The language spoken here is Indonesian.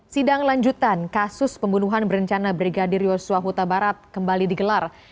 sidang lanjutan kasus pembunuhan berencana brigadir yosua huta barat kembali digelar